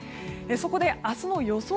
そこで、明日の予想